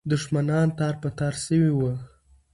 دښمنان تار په تار سوي وو.